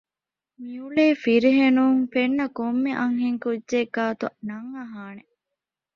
މިއުޅޭ ފިރިހެނުން ފެންނަ ކޮންމެ އަންހެން ކުއްޖެއް ގާތު ނަން އަހާނެ